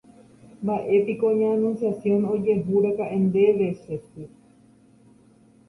Mba'épiko ña Anunciación ojehúraka'e ndéve che sy.